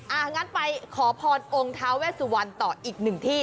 งั้นไปขอพรองค์ท้าเวสุวรรณต่ออีกหนึ่งที่